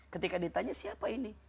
ketika ditanya siapa ini